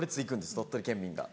鳥取県民が。